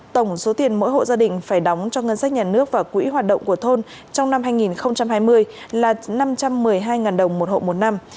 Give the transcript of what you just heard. tổng số tiền mỗi hộ gia đình phải đóng cho ngân sách nhà nước và quỹ hoạt động của thôn trong năm hai nghìn hai mươi là năm trăm một mươi hai đồng một hộ một năm